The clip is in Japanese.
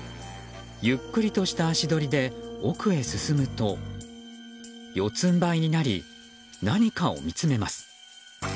ゆっくりとした足取りで奥へ進むと四つんばいになり何かを見つめます。